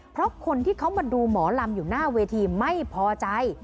เพราะคนที่เขามาดูหมอลำอยู่หน้าเวทีไม่พอใจ